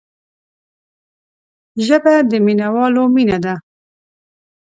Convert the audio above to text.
ژبه د مینوالو مینه ده